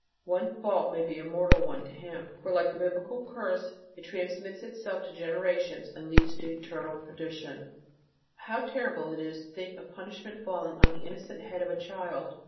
One "fault" may be a mortal one to him, for, like the Biblical curse, it transmits itself to generations, and leads to eternal perdition. How terrible it is to think of punishment falling on the innocent head of a child!